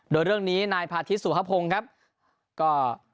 โดยเรื่องนี้นายพาทิตสุภพงศ์ครับก็